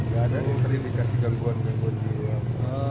gak ada yang terindikasi gangguan gangguan jiwa